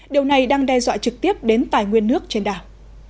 điều này đang đe dọa trực tiếp đến tài nguyên nước trên đảo